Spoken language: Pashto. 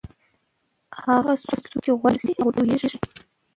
هغه څوک چې غوږ نیسي هغه پوهېږي.